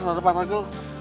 gak ada panagel